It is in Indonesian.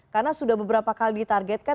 karena sudah beberapa kali ditargetkan